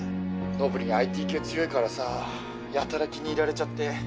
のぶりんＩＴ系強いからさやたら気に入られちゃって。